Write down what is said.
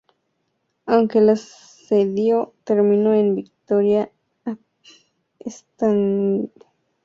Aunque el asedio terminó en victoria, Estanislao consiguió huir.